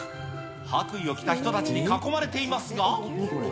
白衣を着た人たちに囲まれていますが。